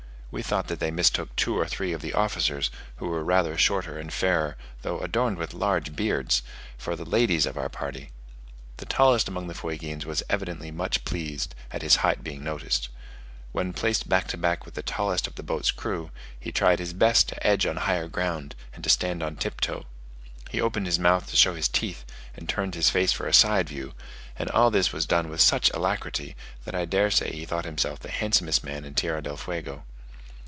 We thought that they mistook two or three of the officers, who were rather shorter and fairer, though adorned with large beards, for the ladies of our party. The tallest amongst the Fuegians was evidently much pleased at his height being noticed. When placed back to back with the tallest of the boat's crew, he tried his best to edge on higher ground, and to stand on tiptoe. He opened his mouth to show his teeth, and turned his face for a side view; and all this was done with such alacrity, that I dare say he thought himself the handsomest man in Tierra del Fuego.